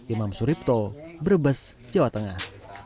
imam suripto brebes jawa tengah